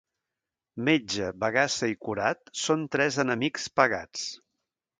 Metge, bagassa i curat són tres enemics pagats.